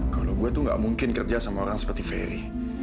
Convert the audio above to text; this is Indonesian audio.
kalau gue tuh gak mungkin kerja sama orang seperti ferry